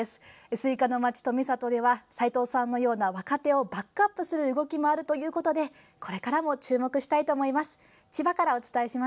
スイカの町・富里では齋藤さんのような若手をバックアップする動きもあるということでこれからも注目したいと思います。